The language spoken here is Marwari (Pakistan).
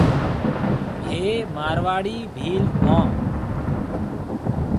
ميه مارواڙي ڀيل هون۔